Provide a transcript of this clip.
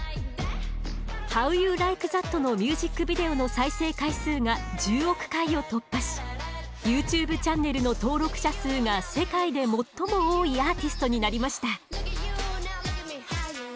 「ＨｏｗＹｏｕＬｉｋｅＴｈａｔ」のミュージックビデオの再生回数が１０億回を突破しＹｏｕＴｕｂｅチャンネルの登録者数が世界で最も多いアーティストになりました。